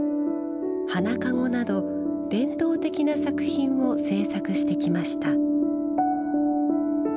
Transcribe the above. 花籠など伝統的な作品を制作してきました。